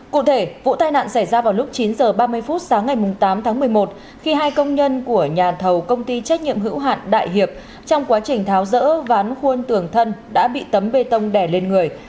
cụ thể vụ tai nạn xảy ra vào lúc chín h ba mươi phút sáng ngày tám tháng một mươi một khi hai công nhân của nhà thầu công ty trách nhiệm hữu hạn đại hiệp trong quá trình tháo rỡ ván khuôn tường thân đã bị tấm bê tông đẻ lên người